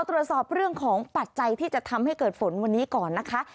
ตรวจสอบเรื่องของปัจจัยที่จะทำให้เกิดฝนวันนี้ก่อนนะคะ